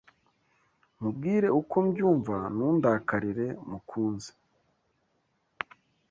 Nkubwire uko mbyumva ntundakarire mukunzi